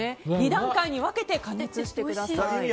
２段階に分けて加熱してください。